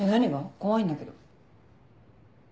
怖いんだけど。